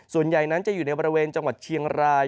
ส่วนใหญ่นั้นจะอยู่ในบริเวณจังหวัดเชียงราย